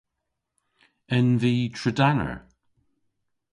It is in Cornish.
En vy tredaner?